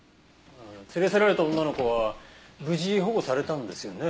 連れ去られた女の子は無事保護されたんですよね？